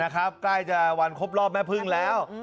ใกล้จะวันครบรอบแม่พึ่งแล้ว